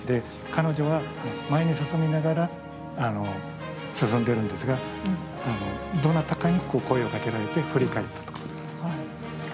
彼女は前に進みながら進んでるんですがどなたかにこう声をかけられて振り返ったと。